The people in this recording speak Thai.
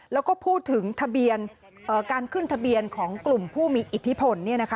แล้วก็พูดถึงทะเบียนการขึ้นทะเบียนของกลุ่มผู้มีอิทธิพล